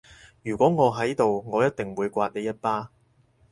如果我喺度我一定會摑你一巴